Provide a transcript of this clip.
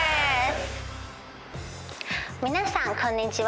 皆さんこんにちは。